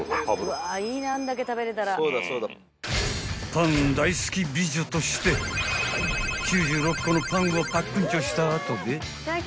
［パン大好き美女として９６個のパンをパックンチョした後で］